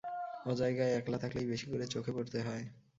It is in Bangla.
অজায়গায় একলা থাকলেই বেশি করে চোখে পড়তে হয়।